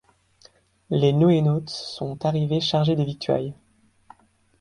Les NoéNautes sont arrivées chargés de victuailles.